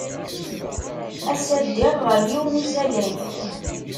Ass-a, ddiɣ ɣer yiwen n usalay.